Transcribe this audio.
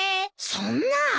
そんなあ。